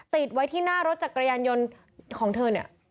ติดไว้ที่หน้ารถจักรยานยนต์ของเธอเนี่ย